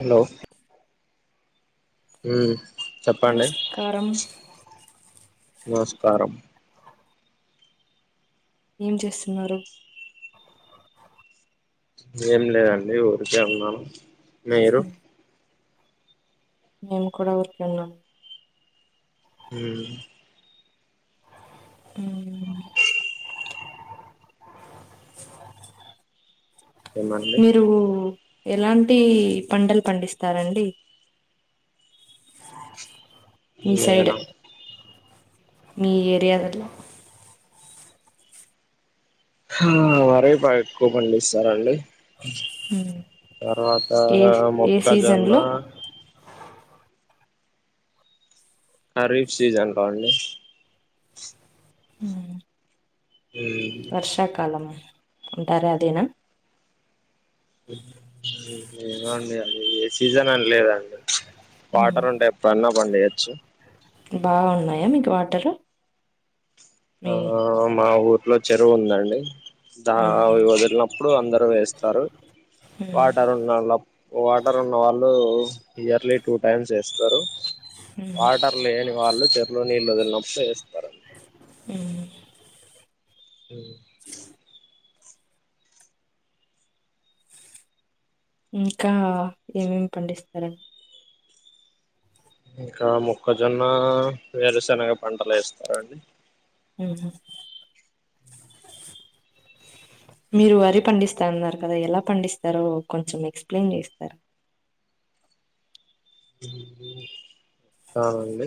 Hello ఉమ్ నమస్కారం నమస్కారం ఏం చేస్తున్నారు ఏం లేదండి ఊరికే ఉన్నాను మీరు మేము కూడా ఊరికే ఉన్నాము ఉమ్ ఉమ్ ఏమండి మీరు ఉ ఎలాంటి పంటలు పండిస్తారంండి నేన మీరే యిలా హా వారేపై ఎక్కువ పండిస్తారండి తర్వాత ఏ ఏ సీజన్ మొక్కజొన్న లో హరీష్ సీజన్ లో అండి ఉమ్ వర్షాకాలం ఉంటారా అదేనా ఉమ్ ఏమో అండి అది ఏ సీజన్ అని లేదుఅండి మ్మ్. వాటర్ ఉంటే ఎప్పుడున్నవ్వండే యచ్చు బాగున్నాయా మీకు వాటరు మీ ఆ మా ఊర్లో చెరువు ఉందండి దా మ్మ్. అవి వదిలినప్పుడు అందరుూ వేస్తారు వాటర్ ఉన్నళ్ళ వాటర్ ఉన్న వాళ్ళు ఇయర్లీ టూ టైమ్స్ వేస్తారు మ్మ్. వాటర్ లేని వాళ్ళు చెరుర్లో నీళ్ళు వదిలినప్పుడు వేస్తారండి మ్మ్. ఉమ్ ఇంకా ఏమేమి పండిస్తారం ఇంకా ముొక్కజొన్న వేరుశనగ పంటలు వేస్తారండి ఉ మ్ మీరు వరి పండిస్తన్నారు కదా ఎలా పండిస్తారో కొంచెం ఎక్స్ప్లెయిన్ చేస్తారా ఉమ్ఆ అండి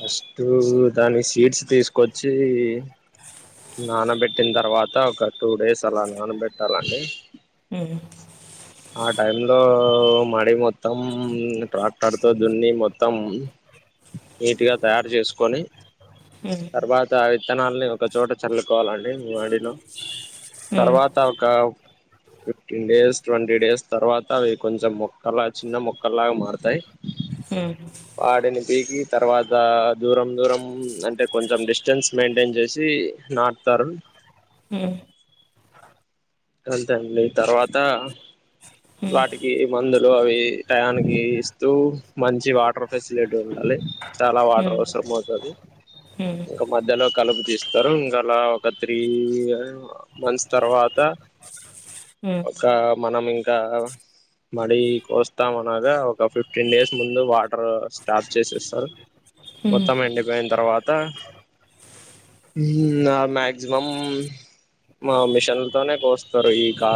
ఫస్ట్ దాని సీడ్స్ తీసుకొచ్చి నానబెట్టిన తర్వాత ఒక టూ డేస్ అలా నానబెట్టాలండి మ్మ్. ఆ టైమ్ లో మార్నింగ్ మొత్తం ట్రాక్టర్తో ధునీ మొత్తం నీట్గా తయారు చేసుకొని తర్వాత ఆ విత్తనాల్ని ఒకచోట చల్లుకోవాలండి వాడిలో తర్వాత ఒక ఫిఫ్టీన్ డేస్ ట్వంటీ డేస్ తర్వాత అవి కొంచెం మొక్కలా చిన్న మొక్కలాగా మారుతాయి పాడిని పికి తర్వాత దూరం దూరం అంటే కొంచెం డిస్టెన్స్ మెయింటైన్ చేసి నాటుతారు హ్మ్ అంతేండి తర్వాత వాటికి మందులు అవి టయానికి ఇస్తూ మంచి వాటర్ ఫెసిలిటీ ఉండాలి చాలా వాటర్ అవసరం అవుతది హుమ్ ఇంకా మధ్యలో కలుపు తీస్తారు ఇంకా అలా ఒక త్రీ మంత్స్ తర్వాత ఒక మనం ఇంకా మళీ కోస్తాం అనగా ఒక ఫిఫ్టీన్ డేస్ ముందు వాటర్ స్టార్ట్ చేసేస్తారు మొత్తం ఎండిపోయిన తర్వాత మ్యాక్సిమం మా మిషనతోనే కోసు తరు ఇంకా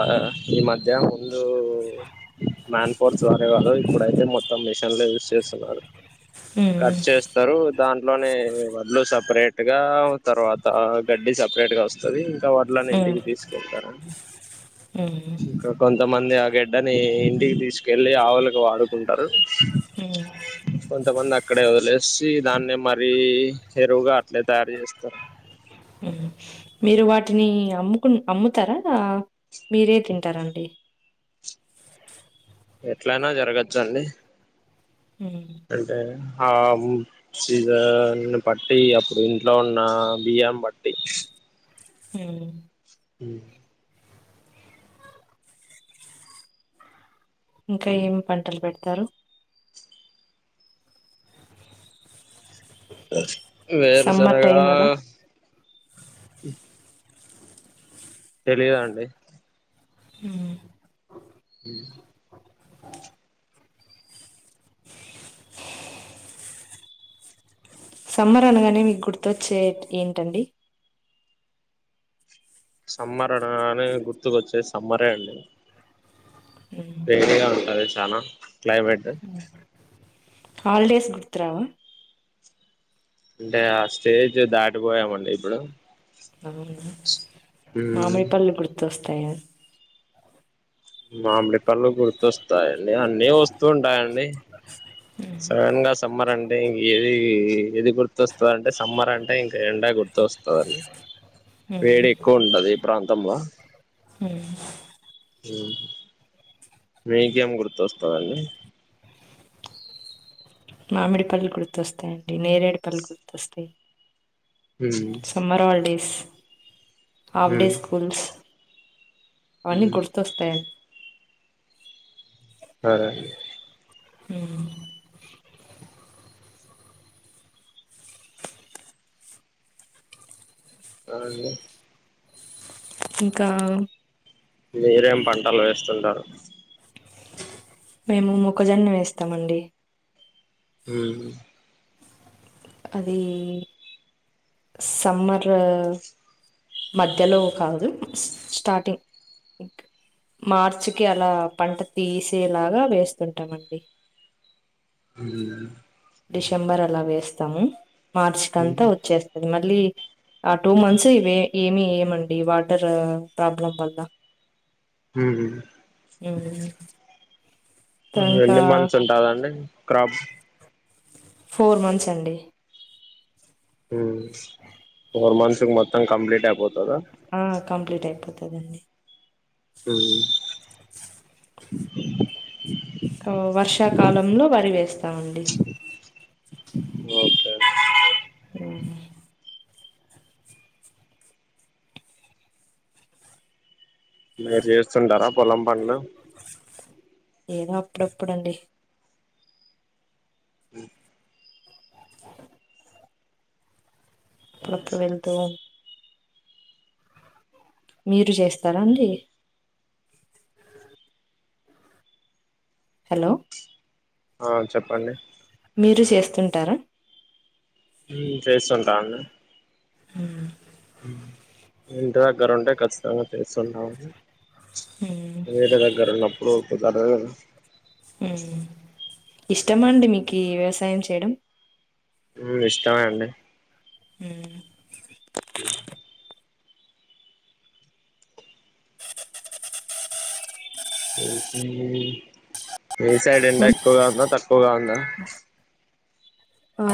ఈ మధ్య ముందు మ్యాన్ ఫోర్స్ వాడే వారు ఇప్పుడైతే మొత్తం మొత్తం మిషన్ లో యూజ్ చేస్తున్నారు కట్ చేస్తారు దాంట్లోనే వడ్లు సపరేట్ గా తర్వాత గడ్డి సపరేట్ గా వస్తది ఇంకా వడ్లన్ని ఇంటికి తీసుకెళ్తారా హుమ్ కొంతమంది ఆ గడ్డని ఇంటికి తీసుకెళ్లి ఆవులకి వాడుకుంటారు కొంతమంది అక్కడే వదిలేసి దాన్నే మరీ ఎరువుగా అట్లే తయారు చేస్తారు హుమ్ మీరు వాటిని అమ్ముకు అమ్ముతారా మీరే తింటారండి ఎట్లనా జరగచ్చండి హ్మ్. అంటే ఆ సీజన్ పట్టి అప్పుడు ఇంట్లో ఉన్న బి బియ్యం బట్టి హ్మ్. ఇంకా ఏం పంటలు పెడతరు వేరు సమ్మర్ శనగా టైం అలా? తెలిదా అండి హ్మ్ హ్మ్ సమ్మర్ అనగానే మీకు గుర్తొచ్చే ఏంటండి సమ్మర్ అనగానే గుర్తుకొచ్చేది సమ్మరే అండి హ్మ్. వేడిగా ఉంటది చాన క్లైమేట్ హాల్డేస్ గుర్తురావా అంటే ఆ స్టేజు దాటిపోయామండి ఇప్పుడు అవునా మామిడి పళ్ళు గుర్తోస్తా మామిడిపళ్ళు గుర్తొస్తాయండి అన్నీ వస్తుంటాయండి సడన్గా సమ్మర్ అంటే ఎది ఎది వంటే సమ్మర్ అంటే ఇంకా ఎండ గుర్తొస్తుందండి హ్మ్. వేడి ఎక్కువ ఉంటది ఈ ప్రాంతంలో హుమ్ మీకేం గుర్తొస్తాదండి మామిడి పళ్ళు గుర్తొస్తాయిండి నేరేడి పళ్ళు గుర్తొస్తాయి ఉమ్ సమ్మర్ హాలీడేస్ ఆఫ్ డే ఉమ్ స్కూల్స్ అవన్నీ ఉమ్ గుర్తుస్తాయని సరే అండి హ్మ్. అవునండి, ఇంకా మీరేం పంటలు వేస్తుంటరు మేము మొక్కజొన్న వేస్తమండి ఉమ్ అదీ సమ్మర్ మధ్యలో కాదు స్ స్టార్టింగ్ ఇ మార్చికిి అలా పంట తీసేలాగా వేస్తుంటమండి ఉమ్ డిసెంబర్ అలా వేస్తాము మార్చ్ కంతా వచ్చేస్తది మళ్ళీ ఆ టూ మంత్స్ ఇవే ఏమి ఏమండి వాటర్ ప్రాబ్లం వల్ల ఉమ్ హ్మ్. ఇంకా ఎన్ని మంత్స్ ఉంటాదండి క్రాప్ ఫోర్ మంత్స్ అండి ఫోర్ మంత్స్ మోత్తాం కంప్లీట్ అయిపో ఆ కంప్లీట్ అయిపోతదండి ఉమ్ వర్షాకాలంలో వరి వేస్తామండి ఒకే మీరు చేస్తుంటార పొలం పండ్లు ఏదో అప్పుడపుడండి ఉ అప్పు వెళ్త మీరు చేస్తారా అండి హలో ఆ చెప్పండి మీరు చేస్తుంటారా హ్మ్మ్ చేస్తుంటా అండి హ ఇంటి దగ్గర ఉంటే ఖచ్చితంగా చేస్తుంటాము మ్మ్ వేరే దగ్గర ఉన్నప్పుడు ఊల్పోతారుే [unintelligible] కదా ఇష్టమా అండి మీకు వ్యవసాయం చేయడం ఇష్టమే అండి ఆ హ మీ సైడ్ ఎండ ఎక్కువగా ఉందా తక్కువగా ఉందా ఆ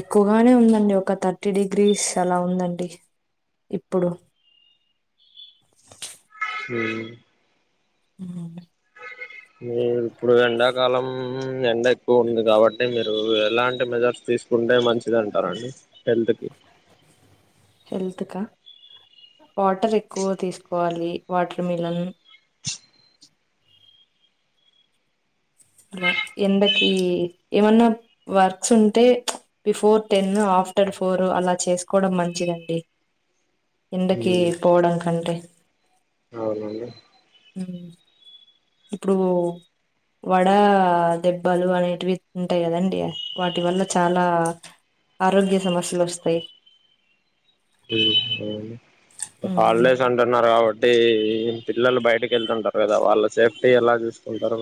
ఎక్కువగానే ఉందండి ఒక థర్టీ డిగ్రీస్ అలా ఉందండి ఇప్పుడు హ ఉ ఈ కాలం ఎండ ఎక్కువ ఉంది కాబట్టి మీరు ఎలాంటి మెజర్స్ తీసుకుంటే మంచిది అంటారండి హెల్త్ కీ హెల్త్ హా వాటర్ ఎక్కువ తీసుకోవాలి వాటర్ మిలన్ అలా ఎండ కి ఏమన్నా వర్క్స్ ఉంటే బిఫోర్ టెన్ ఆఫ్టర్ ఫోరు అలా చేసుకోవడం మంచిదండి ముందుకి పోవడం కంటే అవునండి ఇప్పుడు వడ దెబ్బలు అనేటివి ఉంటాయి కదండి వాటి వల్ల చాలా ఆరోగ్య సమస్యలు వస్తాయి హాలిడేస్ అంటున్నారు కాబట్టి పిల్లలు బయటకి వెళ్తుంటారు కదా వాళ్ళ సేఫ్టీ ఎలా చూసుకుంటారు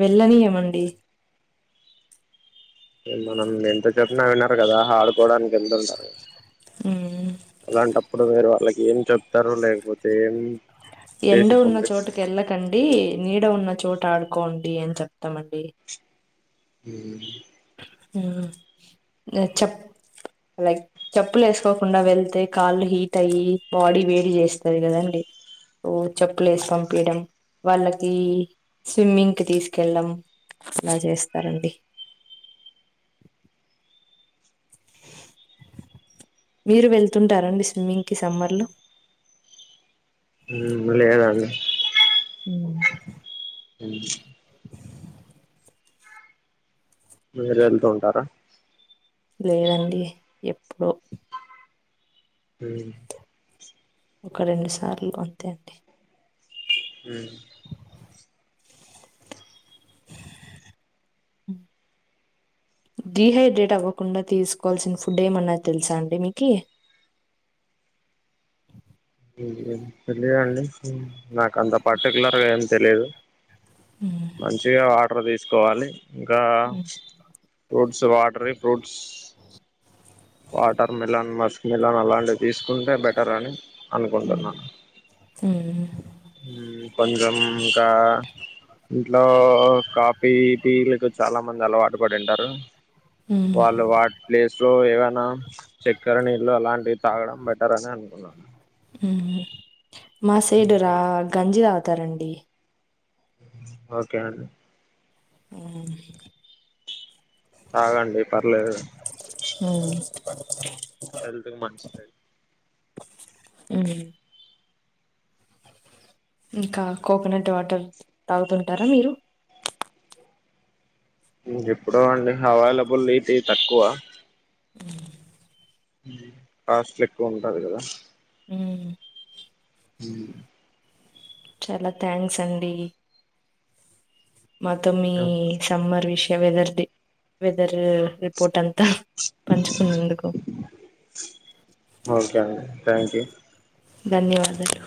వెళ్ళనీయం అండి మనం ఎంతో చెప్పిన కదా ఆడుకోవడానికి వెతుంటారు అలాంటప్పుడు మీరు వాళ్ళకి ఏం చెప్తారు లేకపోతే ఏం ఎండ చేసి ఉన్న చోటుకి పంపిస్తారు వెళ్ళకండి నీడ ఉన్న చోటు ఆడుకోండి అని చెప్త చెప్తామండీ హ చెప్ లైక్ చెప్పులు వేసుకోకుండా వెళ్తే కాళ్ళు హీట్ అయి బాడీ వేడి చేస్తారు కదండి ఓ చెప్పులు వేసి పంపియడం వాళ్ళకి స్విమ్మింగ్కి తీసుకెళ్ళడం సనలు చేస్తారండీ [inaudible] మీరు వెళ్తుంటారండి స్విమ్మింగ్ కి సమ్మర్ లో లేదండి ఉ అ [unintelligible] మీర వెళ్తూ ఉంటారా లేదండి ఎప్పుడు హ ఒక రెండు సార్లు అంతే అండి హూ [inaudible] డీహైడ్రేట్ అవ్వకుండా తీసుకోవాల్సిన ఫుడ్ ఏమన్నా తెలుసా అండి మీకీ [inaudible] లే అండి నాకు అంత పర్టికులర్గా ఏం తెలియదు మంచిగా వాటర్ తీసుకోవాలి ఇంకా fruits watery fruits watermelon muskmelon అలాంటివి తీసుకుంటే బెటర్ అని అనుకుంటున్నాను హ పజంకా [unintelligible] ఇంట్లో కాఫీ టీలకు చాలా మంది అలవాటు పడింటారు వాళ్ళు వాట్ ప్లేస్ లో ఏవైనా చక్కెర నీళ్ళు అలాంటివి తాగడం బెటర్ అని అనుకున్నాను హూం మా సైడు రా గంజి తాగుతారండి ఓకే అండి హూ తాగండి పర్లేదు హు హెల్త్ కు మంచిదే హుం ఇంకా కోకోనట్ వాటర్ తాగుతుంటారా మీరు ఎప్పుడో అండి అవైలబులిటి తక్కువ హుమ్ కాస్ట్ ఎక్కువ ఉంటది కదా హ్మ్ హ్మ్ చాలా థ్యాంక్స్ అండీ మొత్తం మీ సమ్మర్ విషయం వెదర్ ది వెదర్ ర్ రిపోర్ట్ అంతా పంచుతున్నందుకు ఓకే అండి థ్యాంక్ యూ ధన్యవాదాలు